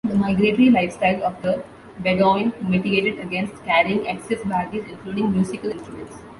The migratory lifestyle of the bedouin mitigated against carrying excess baggage, including musical instruments.